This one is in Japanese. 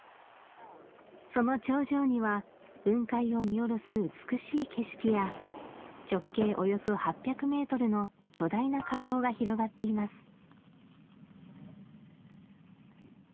その頂上には雲海を見下ろす美しい景色や直径およそ８００メートルの巨大な火口が広がっています